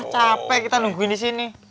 capek kita nungguin disini